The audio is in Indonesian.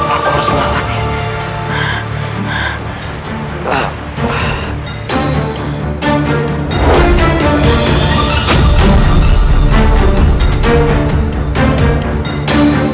aku harus mengambil